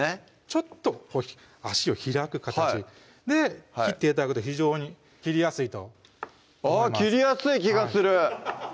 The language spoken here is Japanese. ちょっとこう脚を開く形で切って頂くと非常に切りやすいとあっ切りやすい気がする！